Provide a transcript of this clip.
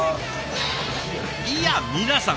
いや皆さん